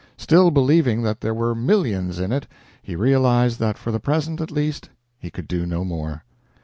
Still believing that there were "millions in it," he realized that for the present, at least, he could do no more.